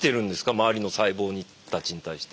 周りの細胞たちに対して。